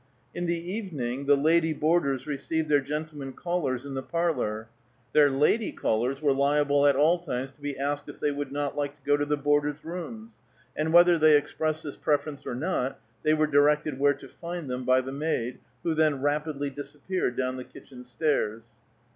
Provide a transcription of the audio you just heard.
In the evening, the lady boarders received their gentlemen callers in the parlor; their lady callers were liable at all times to be asked if they would not like to go to the boarders' rooms, and whether they expressed this preference or not, they were directed where to find them by the maid, who then rapidly disappeared down the kitchen stairs.